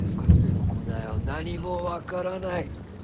そこだよ。何も分からない。